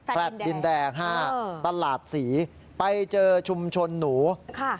แลตดินแดงห้าตลาดศรีไปเจอชุมชนหนูค่ะ